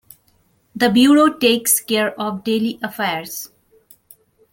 The Bureau takes care of daily affairs.